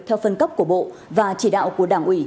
theo phân cấp của bộ và chỉ đạo của đảng ủy